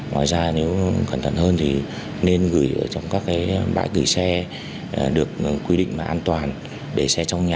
ngoài ra nếu cẩn thận hơn thì nên gửi ở trong các cái bãi gửi xe được quy định mà an toàn để xe trong nhà